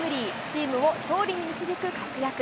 チームを勝利に導く活躍。